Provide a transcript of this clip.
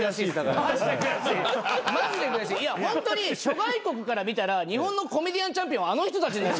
いやホントに諸外国から見たら日本のコメディアンチャンピオンはあの人たち。